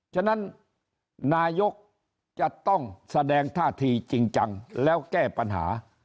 ฉะนั้นนายกจะต้องแสดงท่าทีจริงจังแล้วแก้ปัญหา